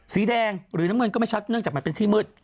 สีแดงหรือน้ำเงินก็ไม่ชัดเนื่องจากมันเป็นที่มืด